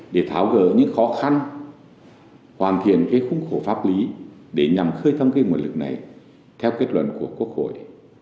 để tháo gỡ những khó khăn hoàn thiện khung khổ pháp lý để nhằm khơi thâm cái nguồn lực này theo kết luận của quốc hội